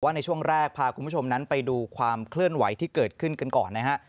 ในช่วงแรกพาคุณผู้ชมนั้นไปดูความเคลื่อนไหวที่เกิดขึ้นกันก่อนนะฮะ